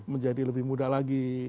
menjadi lebih muda lagi